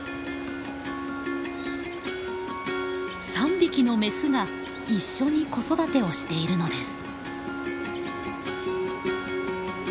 ３匹のメスが一緒に子育てをしているのです。